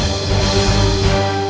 aku akan menangis